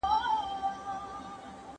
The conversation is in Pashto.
هغوی له نویو بدلونونو څخه نه وېرېږي.